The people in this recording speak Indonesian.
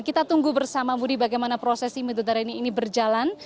kita tunggu bersama budi bagaimana prosesi midodareni ini berjalan